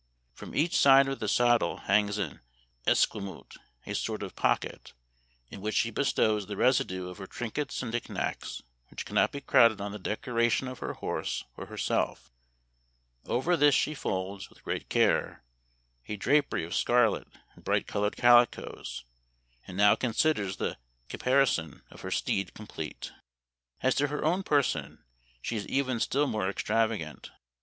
From each side of the saddle hangs an esquimoot, a sort of pocket, in which she bestows the residue of her trinkets and knickknacks which cannot be crowded on the decoration of her horse or her self. Over this she folds, with great care, a drapery of scarlet and bright colored calicoes, and now considers the caparison of her steed complete. " As to her own person she is even still more extravagant.